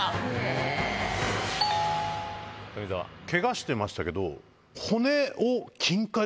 ケガしてましたけど。